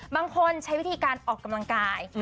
บางคนใช้วิธีการออกกำลังกาย